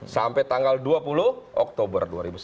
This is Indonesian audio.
sampai tanggal dua puluh oktober dua ribu sembilan belas